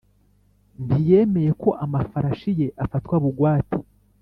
Ntiyemeye ko amafarashi ye afatwa bugwate